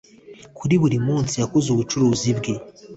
kuri buri munsi yakoze ubucuruzi bwe